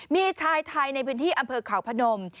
มีชายไทยในพื้นที่อำเภอเขาพนม